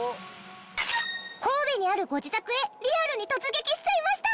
神戸にあるご自宅へリアルに突撃しちゃいました！